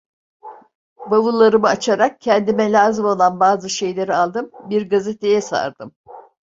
Bavullarımı açarak kendime lazım olan bazı şeyleri aldım, bir gazeteye sardım.